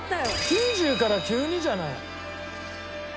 ９０から急にじゃない？